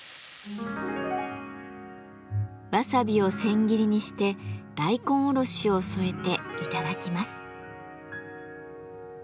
わさびを千切りにして大根おろしを添えていただきます。